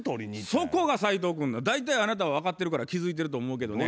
そこが斉藤君なん。大体あなたは分かってるから気付いてると思うけどね。